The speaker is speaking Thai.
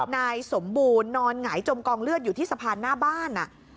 นายสมบูรณ์นอนหงายจมกองเลือดอยู่ที่สะพานหน้าบ้าน